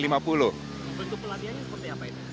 bentuk pelatihannya seperti apa ini